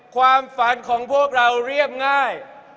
ความฝันของพวกเราเรียบง่าย